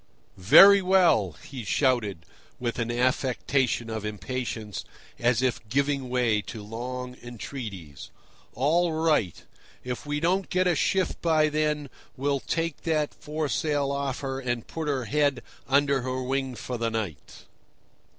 "Very well," he shouted, with an affectation of impatience, as if giving way to long entreaties. "All right. If we don't get a shift by then we'll take that foresail off her and put her head under her wing for the night."